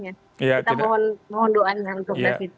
kita mohon doanya untuk david